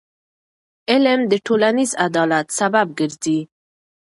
علم د ټولنیز عدالت سبب ګرځي.